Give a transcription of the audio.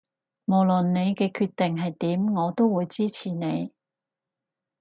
無論你嘅決定係點我都會支持你